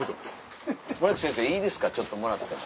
守明先生いいですかちょっともらっても。